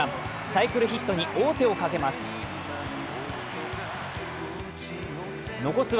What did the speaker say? サイクルヒットに王手をかけます。